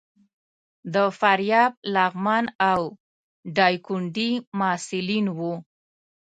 د فاریاب، لغمان او ډایکنډي محصلین وو.